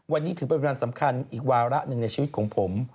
ที่ถืกเป็นโครงพยาบาลสำคัญอีกวาระหนึ่งในชีวิตของผม